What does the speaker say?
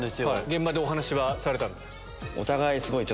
現場でお話はされたんですか？